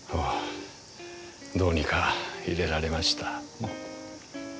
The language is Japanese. どうにかいれられました。